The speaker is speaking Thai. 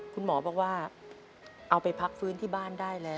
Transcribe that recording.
คุณหมอบอกว่าเอาไปพักฟื้นที่บ้านได้แล้ว